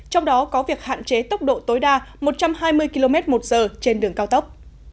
trong đó có việc hạn chế tốc độ tối đa một trăm hai mươi km một giờ trên đường cao tốc